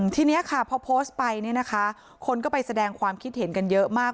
ทีนี้ค่ะพอโพสต์ไปเนี่ยนะคะคนก็ไปแสดงความคิดเห็นกันเยอะมาก